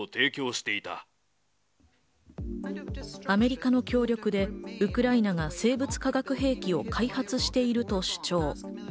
アメリカの協力でウクライナが生物化学兵器を開発していると主張。